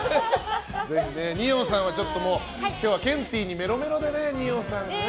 二葉さんは今日はケンティーにメロメロでね。